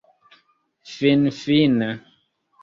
finfine